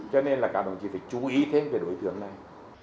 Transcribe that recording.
cho nên là các đồng chí phải chú ý thêm về đối tượng này